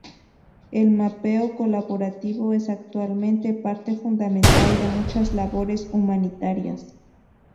El mapeo colaborativo es actualmente parte fundamental de muchas labores humanitarias.